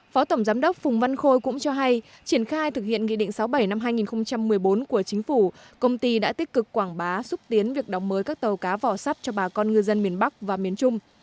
phó tổng giám đốc phùng văn khôi cũng cho hay triển khai thực hiện nghị định sáu mươi bảy năm hai nghìn một mươi bốn của chính phủ công ty đã tích cực quảng bá xúc tiến việc đóng mới các tàu cá vỏ sắt cho bà con ngư dân miền bắc và miền trung